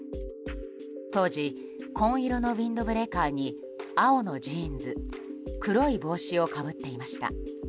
当時紺色のウィンドブレーカーに青のジーンズ黒い帽子をかぶっていました。